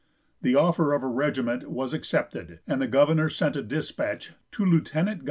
The offer of a regiment was accepted, and the governor sent a dispatch to Lieut. Gov.